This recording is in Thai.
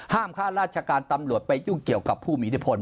ค่าราชการตำรวจไปยุ่งเกี่ยวกับผู้มีอิทธิพล